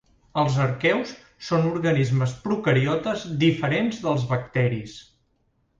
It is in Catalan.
Els arqueus són organismes procariotes diferents dels bacteris.